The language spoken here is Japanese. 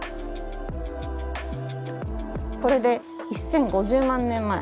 これで１，０５０万年前。